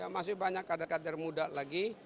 masih banyak kader kader muda lagi